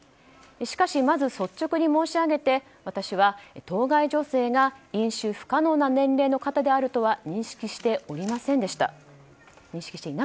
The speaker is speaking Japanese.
しかしまず率直に申し上げて私は当該女性が飲酒不可能な年齢の方であるとは認識しておりませんでした。